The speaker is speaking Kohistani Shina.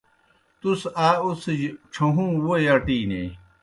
تُس آ اُڅِھجیْ ڇھہُوں ووئی اٹینیئی۔